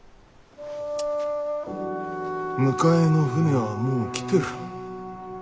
迎えの船はもう来てる。